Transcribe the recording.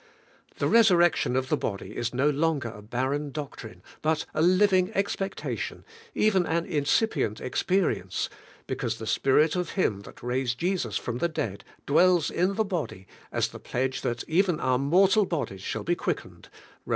The resurrection of the body is no longer a barren doctrine, but a living expectation, and even an incipient experience, be cause the Spirit of Him that raised Jesus from the dead dwells in the body as the pledge that even our mortal bodies shall be quickened {Eom.